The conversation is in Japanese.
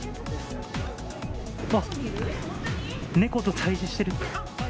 あっ、猫と対じしてる。